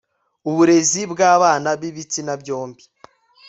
uburezi bw'abana b'ibitsina byombi